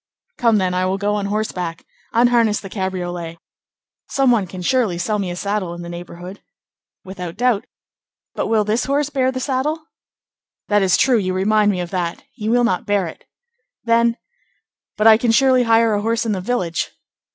"Come then, I will go on horseback. Unharness the cabriolet. Some one can surely sell me a saddle in the neighborhood." "Without doubt. But will this horse bear the saddle?" "That is true; you remind me of that; he will not bear it." "Then—" "But I can surely hire a horse in the village?"